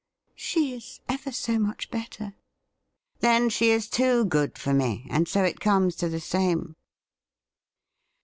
* She is ever so much better.' ' Then, she is too good for me, and so it comes to the same.'